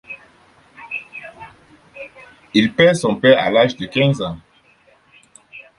Il perd son père à l'âge de quinze ans.